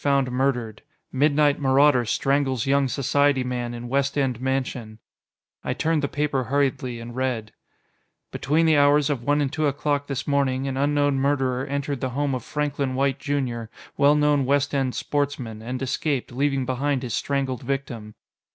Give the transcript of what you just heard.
FOUND MURDERED Midnight Marauder Strangles Young Society Man in West End Mansion I turned the paper hurriedly, and read: Between the hours of one and two o'clock this morning, an unknown murderer entered the home of Franklin White, Jr., well known West End sportsman, and escaped, leaving behind his strangled victim.